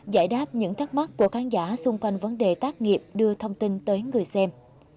giải đáp những thắc mắc của khán giả xung quanh vấn đề tác nghiệp đưa thông tin tới người xem